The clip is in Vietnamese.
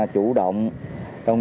chủ động trong